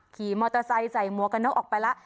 ขี่มอเตอร์ไซส์ใส่มัวกันแล้วออกไปละ